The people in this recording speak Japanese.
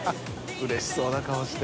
うれしそうな顔して。